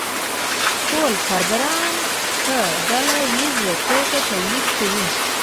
ټول کارګران په ډله ییزه توګه تولیدات کوي